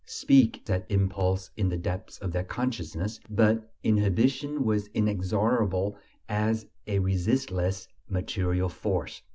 Speak! said impulse in the depths of their consciousness; but inhibition was inexorable as a resistless material force.